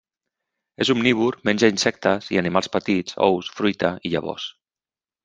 És omnívor, menja insectes i animals petits, ous, fruita i llavors.